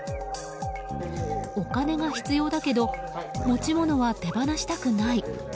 お金が必要だけど持ち物は手放したくない。